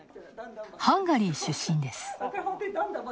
ハンガリー出身です